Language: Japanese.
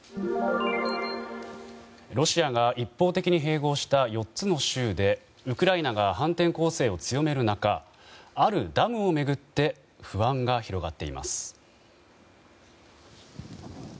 ロシアが一方的に併合した４つの州でウクライナが反転攻勢を強める中あるダムを巡って不安が広がっています。